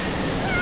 あ。